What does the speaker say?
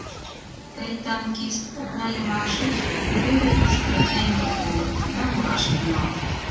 Тый, танкист, окна йымак шич, тӧвӧ тушто теҥгыл уло да мураш тӱҥал.